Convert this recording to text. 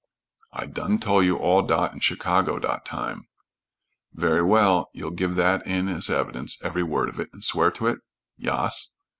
"I done tol' you all dot in Chicago dot time." "Very well. You'll give that in as evidence, every word of it, and swear to it?" "Yas."